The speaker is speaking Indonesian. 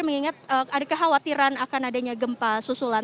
mengingat ada kekhawatiran akan adanya gempa susulan